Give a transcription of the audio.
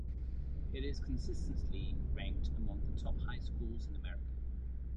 It is consistently ranked among the top high schools in America.